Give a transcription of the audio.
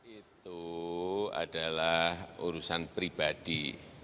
itu adalah urusan pribadi